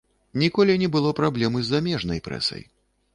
Ніколі не было праблем і з замежнай прэсай.